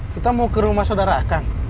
kita mau ke rumah saudara akan